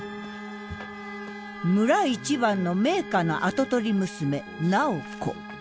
村一番の名家の跡取り娘楠宝子。